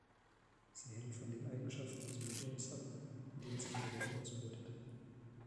Sie hängt von den Eigenschaften des Mediums ab, in dem sich die Welle ausbreitet.